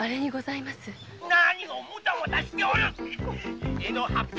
何モタモタしておる！